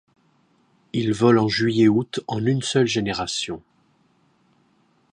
Il vole en juillet août en une seule génération.